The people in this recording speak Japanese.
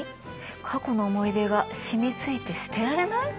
過去の思い出が染みついて捨てられない？